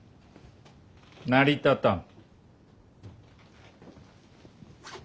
成り立たん。